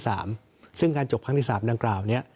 ซึ่งการจบครั้งที่๓ดังกล่าวนี้